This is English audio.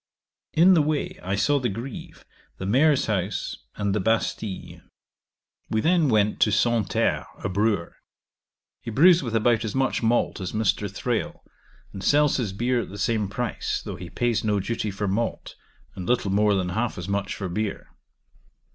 'In the way I saw the Greve, the Mayor's house, and the Bastile. 'We then went to Sans terre, a brewer. He brews with about as much malt as Mr. Thrale, and sells his beer at the same price, though he pays no duty for malt, and little more than half as much for beer.